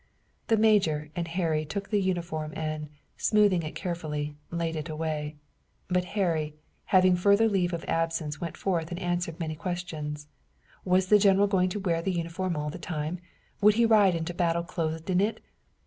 The major and Harry took the uniform and, smoothing it carefully, laid it away. But Harry, having further leave of absence went forth and answered many questions. Was the general going to wear that uniform all the time? Would he ride into battle clothed in it?